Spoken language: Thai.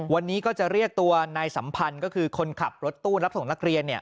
วันนี้ก็จะเรียกตัวนายสัมพันธ์ก็คือคนขับรถตู้รับส่งนักเรียน